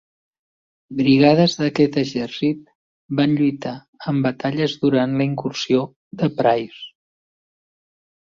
Brigades d'aquest exercit van lluitar en batalles durant la incursió de Price.